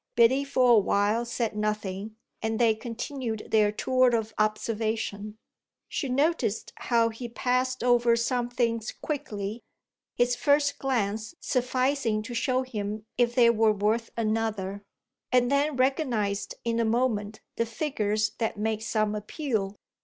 Biddy for a while said nothing and they continued their tour of observation. She noticed how he passed over some things quickly, his first glance sufficing to show him if they were worth another, and then recognised in a moment the figures that made some appeal.